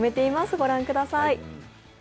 御覧ください。